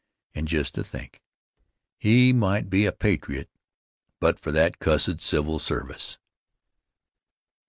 And just to think! He might be a patriot but for that cussed civil service.